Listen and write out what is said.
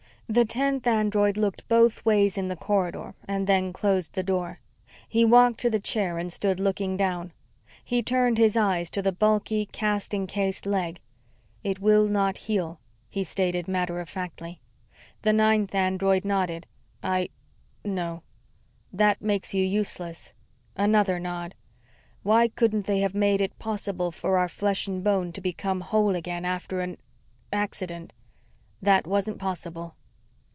The tenth android looked both ways in the corridor and then closed the door. He walked to the chair and stood looking down. He turned his eyes to the bulky, cast encased leg. "It will not heal," he stated matter of factly. The ninth android nodded. "I know." "That makes you useless." Another nod. "Why couldn't they have made it possible for our flesh and bone to become whole again after an accident?" "That wasn't possible."